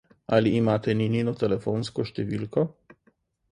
Ali imate Ninino telefonsko številko?